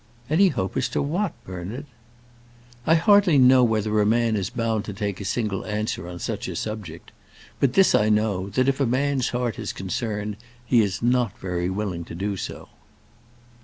"Any hope as to what, Bernard?" "I hardly know whether a man is bound to take a single answer on such a subject. But this I know, that if a man's heart is concerned, he is not very willing to do so."